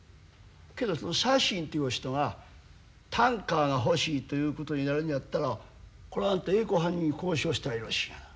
けどそのサッシンっていうお人がタンカーが欲しいということになるのやったらこれはあんた栄光はんに交渉したらよろしいがな。